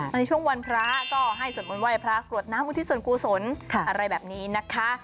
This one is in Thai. ในช่วงวันพระก็ให้สวดมนต์ไห้พระกรวดน้ำอุทิศส่วนกุศลอะไรแบบนี้นะคะ